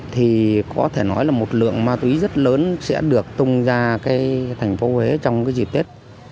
thì có thể nói là một lượng ma túy rất lớn sẽ được tung ra thành phố huế trong cái dịp tết